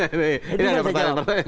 ini ada pertanyaan pertanyaan